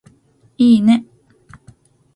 いいね